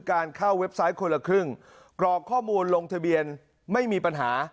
การเข้าเว็บไซต์คนละครึ่งกรอกข้อมูลลงทะเบียนไม่มีปัญหา